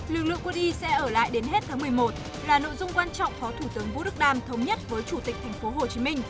lực lượng quân y sẽ ở lại đến hết tháng một mươi một là nội dung quan trọng phó thủ tướng vũ đức đam thống nhất với chủ tịch tp hcm